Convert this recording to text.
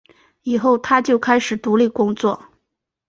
以后他就开始独立工作。